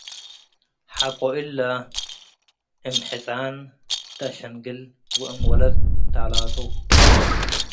ሐቆ እለ፡ እም-ሕጻን “ተአሸንግል” ወእም ወለት “ተአላጹ” ።